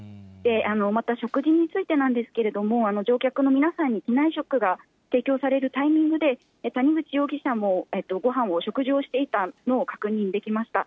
また食事についてなんですけれども、乗客の皆さんに機内食が提供されるタイミングで、谷口容疑者もごはんを、食事をしていたのを確認できました。